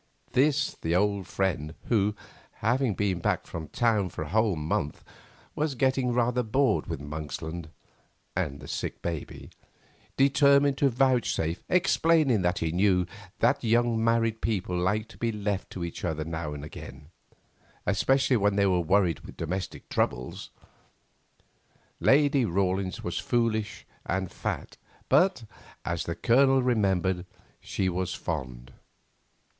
This the old friend, who, having been back from town for a whole month, was getting rather bored with Monksland and the sick baby, determined to vouchsafe, explaining that he knew that young married people liked to be left to each other now and again, especially when they were worried with domestic troubles. Lady Rawlins was foolish and fat, but, as the Colonel remembered, she was fond.